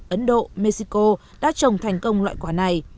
ấn độ mexico đã trồng thành công loại quả này